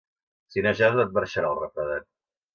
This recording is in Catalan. Si no jeus no et marxarà el refredat.